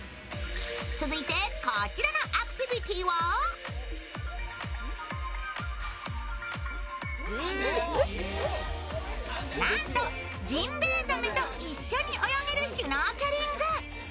続いてこちらのアクティビティーはなんとジンベエザメと一緒に泳げるシュノーケリング。